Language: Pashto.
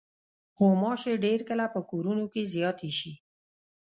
غوماشې ډېر کله په کورونو کې زیاتې شي.